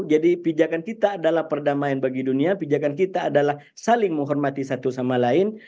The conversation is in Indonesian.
jadi pijakan kita adalah perdamaian bagi dunia pijakan kita adalah saling menghormati satu sama lain